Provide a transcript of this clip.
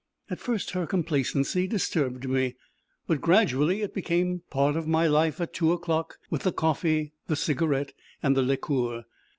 At first her complacency disturbed me, but gradually it became part of my life at two o'clock with the coffee, the cigarette, and the liqueur.